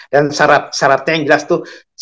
dan syaratnya yang jelas itu